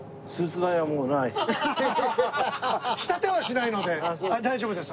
仕立てはしないので大丈夫です。